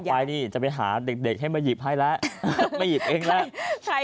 ไปนี่จะไปหาเด็กให้มาหยิบให้แล้วมาหยิบเองแล้ว